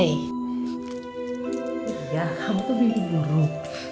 iya kamu tuh bikin buruk